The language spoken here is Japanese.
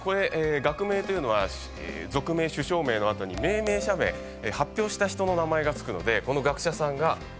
学名というのは属名種小名の後に命名者名発表した人の名前が付くのでこの学者さんが。